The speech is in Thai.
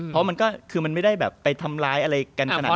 เพราะมันก็คือมันไม่ได้แบบไปทำร้ายอะไรกันขนาดนั้น